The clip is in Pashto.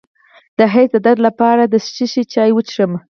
د حیض د درد لپاره د څه شي چای وڅښم؟